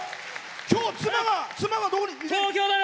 今日、妻はどこに？